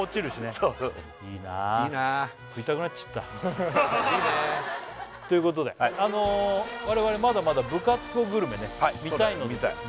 そうそういいないいないいねということで我々まだまだ部活後グルメね見たいのでですね